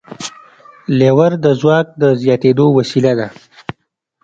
لیور د ځواک د زیاتېدو وسیله ده.